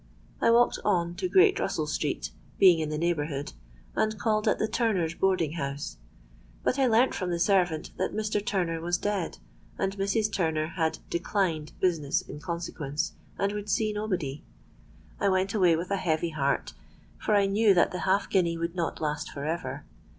I walked on to Great Russell Street, being in the neighbourhood, and called at the Turners' boarding house. But I learnt from the servant that Mr. Turner was dead, and Mrs. Turner had declined business in consequence, and would see nobody. I went away with a heavy heart; for I knew that the half guinea would not last for ever.